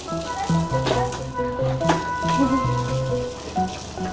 aku sudah setia